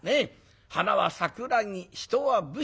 『花は桜木人は武士』。